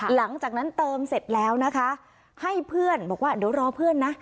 หลังจากนั้นเติมเสร็จแล้วนะคะให้เพื่อนบอกว่าเดี๋ยวรอเพื่อนนะ